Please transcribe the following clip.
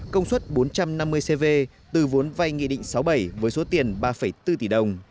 công suất bốn trăm năm mươi cv từ vốn vay nghị định sáu bảy với số tiền ba bốn tỷ đồng